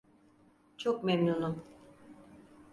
Çok memnunum.